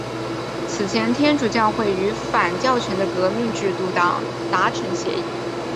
此前天主教会与反教权的革命制度党达成协议。